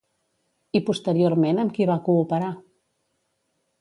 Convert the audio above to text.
I posteriorment amb qui va cooperar?